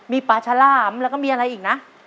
มีปลาฉลามแล้วก็มีอะไรอีกนะ